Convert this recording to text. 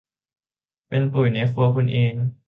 เป็นปุ๋ย ในครัวคุณเอง